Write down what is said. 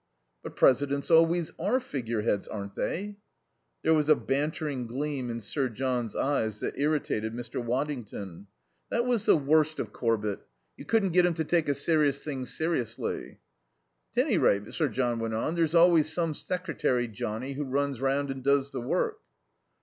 "But presidents always are figureheads, aren't they?" There was a bantering gleam in Sir John's eyes that irritated Mr. Waddington. That was the worst of Corbett; you couldn't get him to take a serious thing seriously. "'T any rate," Sir John went on, "there's always some secretary johnnie who runs round and does the work."